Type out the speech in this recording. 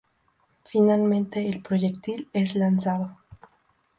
Finalmente, el proyectil es lanzado.